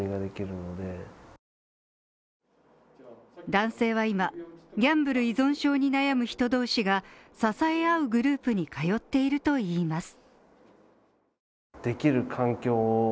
男性は今、ギャンブル依存症に悩む人同士が支え合うグループに通っているといいます。